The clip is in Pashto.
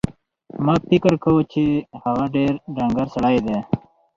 ما فکر کاوه چې هغه ډېر ډنګر سړی دی.